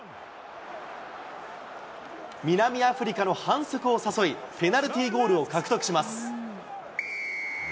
南アフリカの反則を誘い、ペナルティーゴールを獲得します。